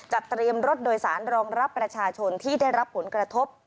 เตรียมรถโดยสารรองรับประชาชนที่ได้รับผลกระทบ